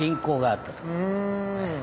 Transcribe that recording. うん。